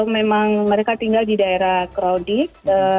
memang mereka tinggal di daerah crowdik